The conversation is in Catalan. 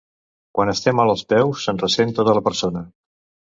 Quan es té mal als peus se'n ressent tota la persona.